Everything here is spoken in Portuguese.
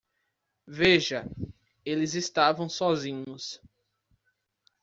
Veja, eles estavam sozinhos.